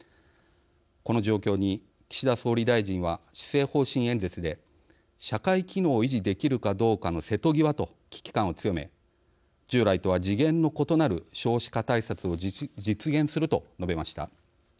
この状況に岸田総理大臣は施政方針演説で社会機能を維持できるかどうかの瀬戸際と危機感を強め従来とは次元の異なる少子化対策を実現すると述べました。